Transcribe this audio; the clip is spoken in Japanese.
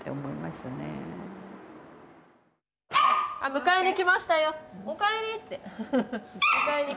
迎えに来ましたよおかえりって。